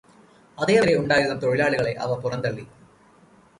അതേവരെ ഉണ്ടായിരുന്ന തൊഴിലാളികളെ അവ പുറന്തള്ളി.